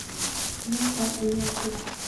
— Ну-ка, ия тукым!